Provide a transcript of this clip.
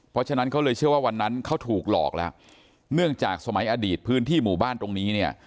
เพราะฉะนั้นเขาเลยเชื่อว่าวันนั้นเขาถูกหลอกแล้วเนื่องจากสมัยอดีตพื้นที่หมู่บ้านตรงนี้เนี่ย